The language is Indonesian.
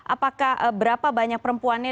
apakah berapa banyak perempuannya